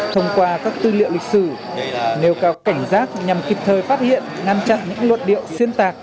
thông qua các tư liệu lịch sử nêu cao cảnh giác nhằm kịp thời phát hiện ngăn chặn những luận điệu xuyên tạc